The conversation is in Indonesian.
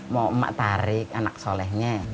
mau emak tarik anak solehnya